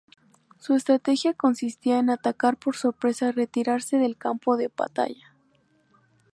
Su estrategia consistía en atacar por sorpresa y retirarse del campo de batalla.